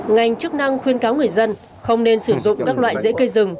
ngành chức năng khuyên cáo người dân không nên sử dụng các loại dễ cây rừng